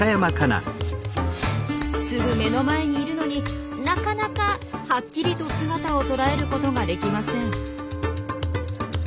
すぐ目の前にいるのになかなかはっきりと姿を捉えることができません。